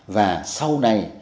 và sau này